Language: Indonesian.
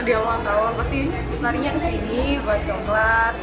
dia mau tau pasti nari nya kesini buat coklat